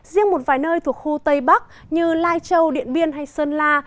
riêng một vài nơi thuộc khu tây bắc như lai châu điện biên hay sơn la